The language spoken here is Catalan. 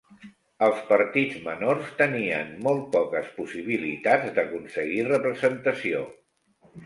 Els partits menors tenien molt poques possibilitats d'aconseguir representació.